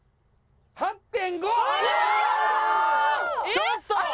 ちょっと！